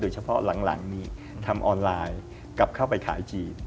เฉพาะหลังนี้ทำออนไลน์กลับเข้าไปขายจีน